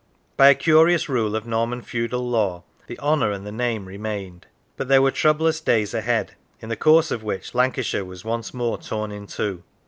By a curious rule of Norman feudal law the Honour and the name remained. But there were troublous days ahead, in the course of which Lancashire was once more torn in two.